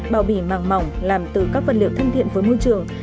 bao bì màng mỏng làm từ các vật liệu thân thiện với môi trường